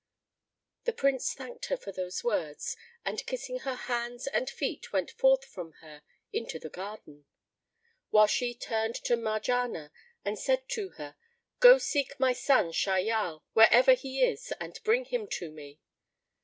The Prince thanked her for those words and kissing her hands and feet, went forth from her into the garden; whilst she turned to Marjanah and said to her, "Go seek my son Shahyal wherever he is and bring him to me."